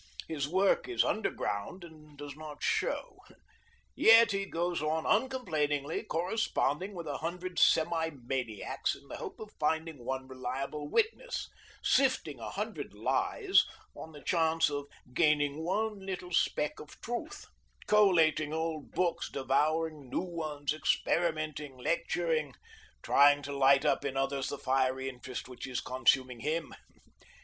His work is underground and does not show. Yet he goes on uncomplainingly, corresponding with a hundred semi maniacs in the hope of finding one reliable witness, sifting a hundred lies on the chance of gaining one little speck of truth, collating old books, devouring new ones, experimenting, lecturing, trying to light up in others the fiery interest which is consuming him.